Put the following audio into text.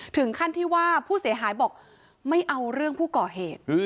ถึงขั้นที่ว่าผู้เสียหายบอกไม่เอาเรื่องผู้ก่อเหตุ